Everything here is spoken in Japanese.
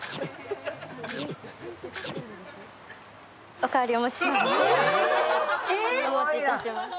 おかわりお持ちします。